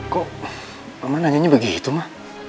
kok mama nanyanya begitu mah